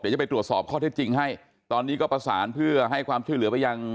เดี๋ยวจะไปตรวจสอบข้อเท็จจริงให้ตอนนี้ก็ประสานเพื่อให้ความช่วยเหลือไปยัง